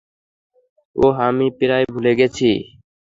ওহ, আমি প্রায় ভুলে গেছি।